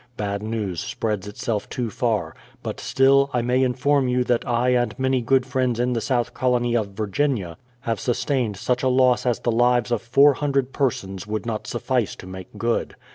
Bad news spreads itself too far; but still, I may inform you that I and many good friends in the south colony of Virginia, have sustained such a loss as the lives of 400 persons would not suffice to make good.